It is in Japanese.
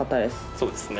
そうですね。